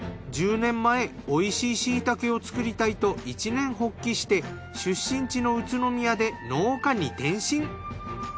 １０年前おいしい椎茸を作りたいと一念発起して出身地の宇都宮で農家に転身。